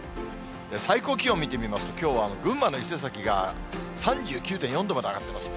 最高気温を見てみますと、きょうは群馬の伊勢崎が３９．４度まで上がってます。